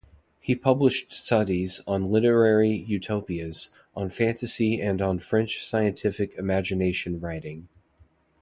He published studies on literary utopias, on fantasy and on French scientific imagination writing.